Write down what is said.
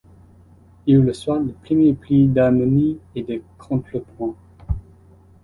Il reçoit le premier prix d'harmonie et de contrepoint.